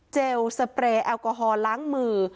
สเปรย์แอลกอฮอลล้างมือ